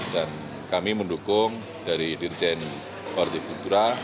dan kami mendukung dari dirjen orde putra